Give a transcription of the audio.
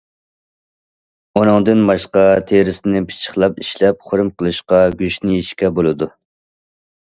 ئۇنىڭدىن باشقا، تېرىسىنى پىششىقلاپ ئىشلەپ خۇرۇم قىلىشقا، گۆشىنى يېيىشكە بولىدۇ.